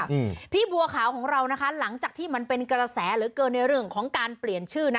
อืมพี่บัวขาวของเรานะคะหลังจากที่มันเป็นกระแสเหลือเกินในเรื่องของการเปลี่ยนชื่อนะ